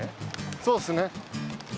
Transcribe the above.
そうですね。